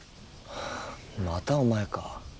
はあまたお前か。